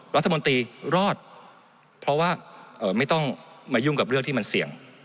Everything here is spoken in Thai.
รัฐมนตรีรอดเพราะว่าไม่ต้องมายุ่งกับเรื่องที่มันเสี่ยง